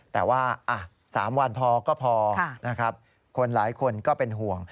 แต่ว่า๓วันพอก็พอนะครับคนหลายคนก็เป็นห่วง